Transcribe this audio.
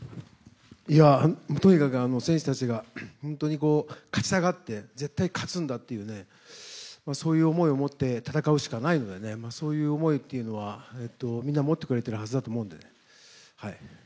とにかく選手たちが本当に勝ちたがって絶対勝つんだというそういう思いを持って戦うしかないのでそういう思いというのはみんな持ってくれてるはずだと思うので。